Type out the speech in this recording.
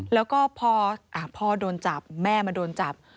แล้วก็พอพ่อโดนจับแม่มาโดนจับ